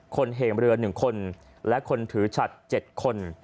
คนเหงเรือหนึ่งคนและคนถือฉัดเจ็ดคน